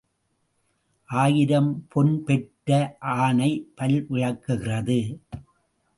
ஆயிரம் பொன் பெற்ற ஆணை பல் விளக்குகிறதா?